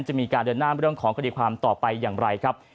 จะมีการเดินหน้าเรื่องของคดีความต่อไปอย่างไรครับ